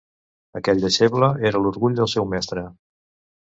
Aquell deixeble era l'orgull del seu mestre.